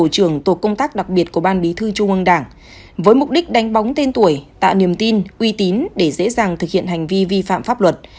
của ban bí thư trung ương đảng với mục đích đánh bóng tên tuổi tạo niềm tin uy tín để dễ dàng thực hiện hành vi vi phạm pháp luật